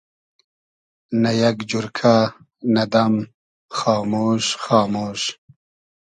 نۂ یئگ جورکۂ, نۂ دئم خامۉش خامۉش